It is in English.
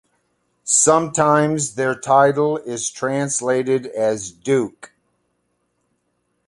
Sometimes their title is translated as duke.